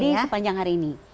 di sepanjang hari ini